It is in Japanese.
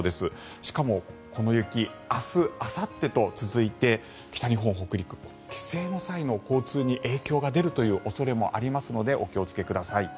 しかも、この雪明日、あさってと続いて北日本、北陸帰省の際の交通に影響が出る恐れもありますのでお気をつけください。